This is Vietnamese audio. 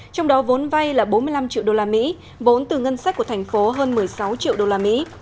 trong đó vốn vay là bốn mươi năm triệu đô la mỹ vốn từ ngân sách của thành phố hơn một mươi sáu triệu đô la mỹ